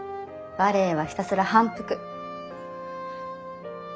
バレエはひたすら反復。